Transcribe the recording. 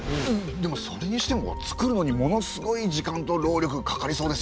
でもそれにしてもつくるのにものすごい時間と労力がかかりそうですよね。